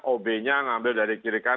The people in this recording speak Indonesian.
ob nya ngambil dari kirikan